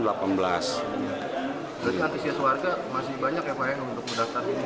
jadi antisias warga masih banyak ya pak yang untuk mendaftar ini